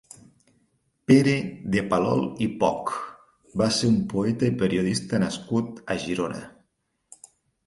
Pere de Palol i Poch va ser un poeta i periodista nascut a Girona.